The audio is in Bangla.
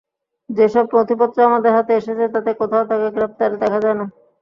যেসব নথিপত্র আমাদের হাতে এসেছে, তাতে কোথাও তাঁকে গ্রেপ্তার দেখা যায় না।